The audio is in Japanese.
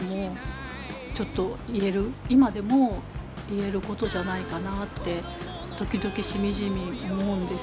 今でも言えることじゃないかなって時々しみじみ思うんです。